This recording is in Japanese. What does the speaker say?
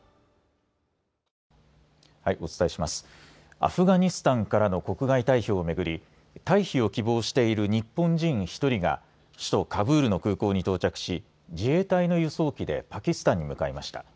アフガニスタンからの国外退避を巡り、退避を希望している日本人１人が、首都カブールの空港に到着し、自衛隊の輸送機でパキスタンに向かいました。